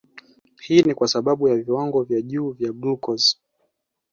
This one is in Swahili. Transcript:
Hii ni kwa sababu viwango vya juu vya glucose